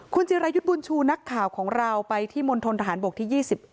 คุณจิรายุทธ์บุญชูนักข่าวของเราไปที่มณฑนทหารบกที่๒๑